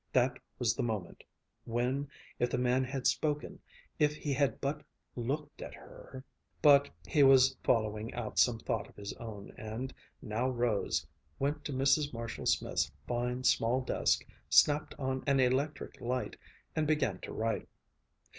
That was the moment when if the man had spoken, if he had but looked at her ... But he was following out some thought of his own, and now rose, went to Mrs. Marshall Smith's fine, small desk, snapped on an electric light, and began to write.